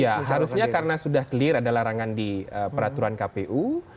ya harusnya karena sudah clear ada larangan di peraturan kpu